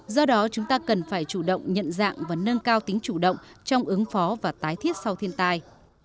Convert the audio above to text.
do đó chúng ta cần phải chủ động nhận dạng và nâng cao tính chủ động trong ứng phó và tái thiết sau thiên tai